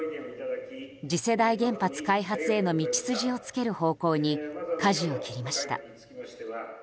次世代原発開発への道筋をつける方向にかじを切りました。